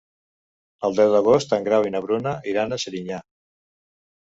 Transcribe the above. El deu d'agost en Grau i na Bruna iran a Serinyà.